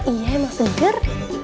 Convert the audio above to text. iya mas segar